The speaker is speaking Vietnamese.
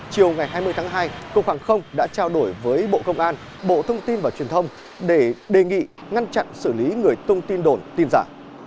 chiều ngày hai mươi tháng hai cục hàng không đã trao đổi với bộ công an bộ thông tin và truyền thông để đề nghị ngăn chặn xử lý người tung tin đồn tin giả